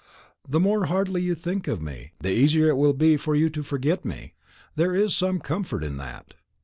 The more hardly you think of me, the easier it will be for you to forget me. There is some comfort in that.